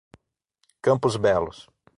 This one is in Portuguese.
Campos Belos